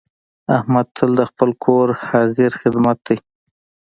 احمد تل د خپل کور حاضر خدمت دی.